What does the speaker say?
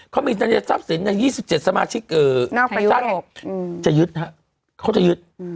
เขามีทรัพย์สินใน๒๗สมาชิกท่านจะยึดฮะเขาจะยึด